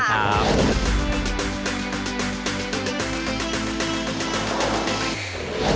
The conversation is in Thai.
ไปค่ะ